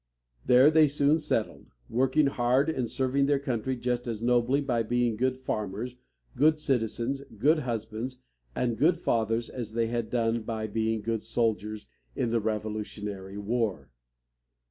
There they soon settled, working hard, and serving their country just as nobly by being good farmers, good citizens, good husbands, and good fathers as they had done by being good soldiers in the Revolutionary War.